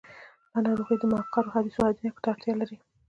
دا ناروغي د مقعرو عدسیو عینکو ته اړتیا لري.